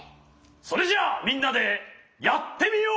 それじゃあみんなでやってみよう！